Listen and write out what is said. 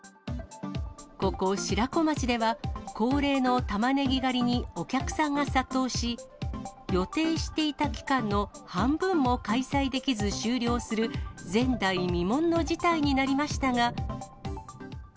ここ白子町では、恒例のたまねぎ狩りに、お客さんが殺到し、予定していた期間の半分も開催できず終了する前代未聞の事態になりましたが。